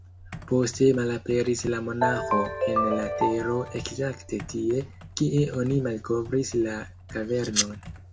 Poste malaperis la monaĥo en la tero ekzakte tie, kie oni malkovris la kavernon.